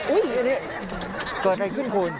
อันนี้เกิดอะไรขึ้นคุณ